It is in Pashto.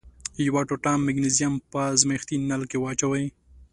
یوه ټوټه مګنیزیم په ازمیښتي نل کې واچوئ.